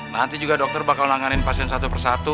nanti juga dokter bakal langanin pasien satu persatu